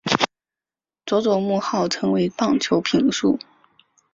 佐佐木主浩成为棒球评述。